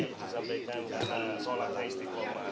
asal sehat tak parah